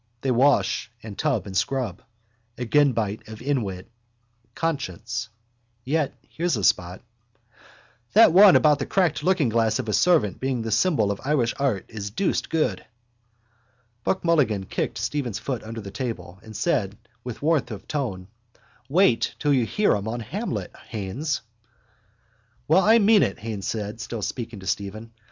They wash and tub and scrub. Agenbite of inwit. Conscience. Yet here's a spot. —That one about the cracked lookingglass of a servant being the symbol of Irish art is deuced good. Buck Mulligan kicked Stephen's foot under the table and said with warmth of tone: —Wait till you hear him on Hamlet, Haines. —Well, I mean it, Haines said, still speaking to Stephen.